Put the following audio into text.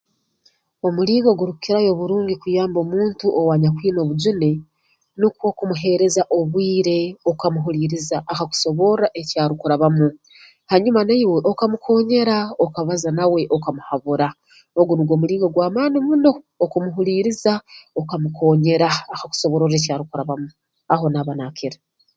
Omulingo ogurukukirayo oburungi kuyamba omuntu owanyakwine obujune nukwo kumuheereza obwire okamuhuliiriza akakusoborra eki arukurabamu hanyuma naiwe okamukoonyera okabaza nawe okamuhabura ogu nugwo omulingo ogw'amaani muno okamuhuliiriza okamukoonyera akakusobororra eki arukurabamu aho naaba naakira